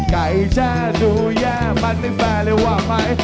ไก่จะดูแย่มันไม่แฟร์เลยว่าไป